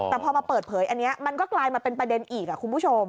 แต่พอมาเปิดเผยอันนี้มันก็กลายมาเป็นประเด็นอีกคุณผู้ชม